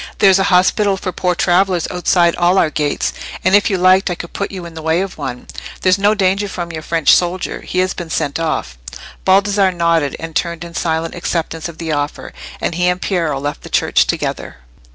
There's an hospital for poor travellers outside all our gates, and, if you liked, I could put you in the way to one. There's no danger from your French soldier. He has been sent off." Baldassarre nodded, and turned in silent acceptance of the offer, and he and Piero left the church together.